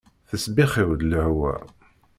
Tesbixxiw-d lehwa.